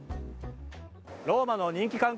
ローマの人気観光